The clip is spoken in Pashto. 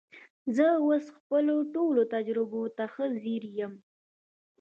زه اوس خپلو تېرو تجربو ته ښه ځیر یم